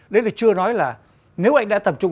đấy thì chưa nói là nếu anh đã tầm trung